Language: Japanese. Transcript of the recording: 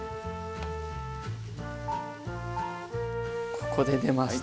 ここで出ました